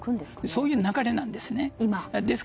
そういう流れなんです。